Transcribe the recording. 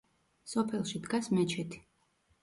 სოფელში დგას მეჩეთი.